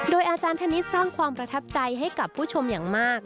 อาจารย์ธนิษฐ์สร้างความประทับใจให้กับผู้ชมอย่างมาก